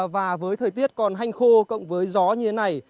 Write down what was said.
và với thời tiết còn hanh khô cộng với gió như thế này